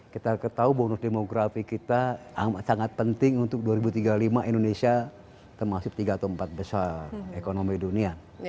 kita ketahui bonus demografi kita sangat penting untuk dua ribu tiga puluh lima indonesia termasuk tiga atau empat besar ekonomi dunia